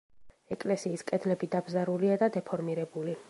ეკლესიის კედლები დაბზარულია და დეფორმირებული.